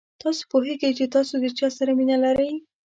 تاسو پوهېږئ چې تاسو د چا سره مینه لرئ.